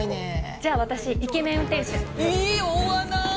じゃあ私イケメン運転手。え大穴！